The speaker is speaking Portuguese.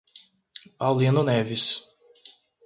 Paulino Neves